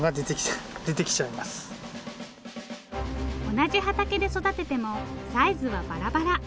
同じ畑で育ててもサイズはバラバラ。